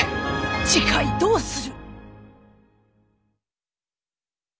次回どうする。